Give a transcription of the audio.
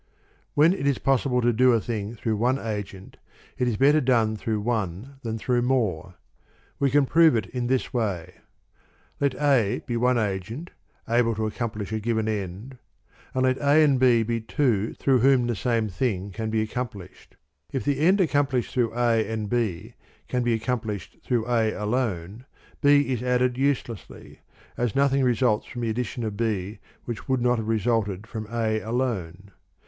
I. When it is possible to do a thing through one agent, it is better done through one than through more,' We prove it in this way: Let A be one agent able to accomplish a given end, and let A and B be two through whom the same thing can be accomplished. If the end accom plished through A and B can be accomplished through A alone, B is added uselessly, as no thing results from the addition of B which would not have resulted from A alone.